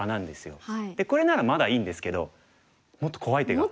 これならまだいいんですけどもっと怖い手が。